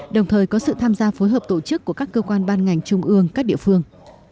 đồng thời có sự tham gia phối hợp tổ chức của các cơ quan ban ngành trung ương các địa phương